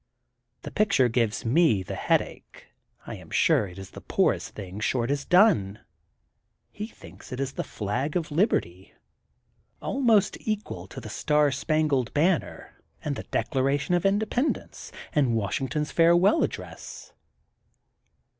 The pic ture gives me the headache, 1 am sure it is the poorest thing Short has done. Ho thinks it is the flag of liberty, almost isqual to the THE GOLDEN BOOK OF SPRINGFIELD 207 Star Spangled Banner, and the Declaration of Independence, and Washington ^s Farewell Address.